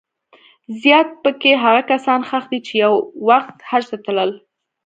زیات په کې هغه کسان ښخ دي چې یو وخت حج ته تلل.